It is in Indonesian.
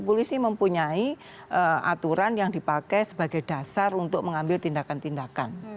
polisi mempunyai aturan yang dipakai sebagai dasar untuk mengambil tindakan tindakan